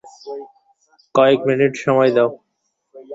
কয়েক মিনিট সময় দাও।